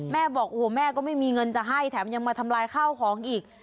บอกโอ้โหแม่ก็ไม่มีเงินจะให้แถมยังมาทำลายข้าวของอีก